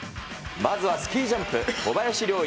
まずはスキージャンプ、小林陵侑。